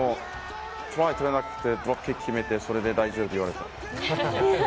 トライ取れなくて、ドロップゴール決めて、それで大丈夫って言われた。